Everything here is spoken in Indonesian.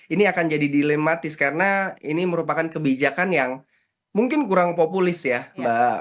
ini akan jadi dilematis karena ini merupakan kebijakan yang mungkin kurang populis ya mbak